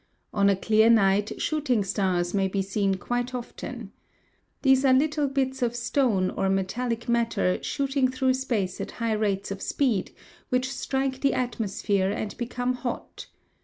On a clear night shooting stars may be seen quite often. These are little bits of stone or metallic matter shooting through space at high rates of speed, which strike the atmosphere and become hot.